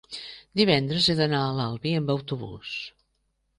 divendres he d'anar a l'Albi amb autobús.